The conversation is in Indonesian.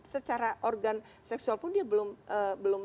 secara organ seksual pun dia belum